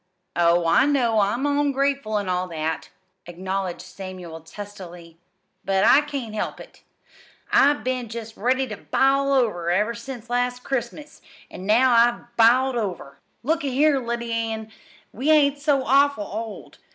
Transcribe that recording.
Oh, I know I'm ongrateful, an' all that," acknowledged Samuel testily, "but I can't help it. I've been jest ready to bile over ever since last Christmas, an' now I have biled over. Look a here, Lyddy Ann, we ain't so awful old.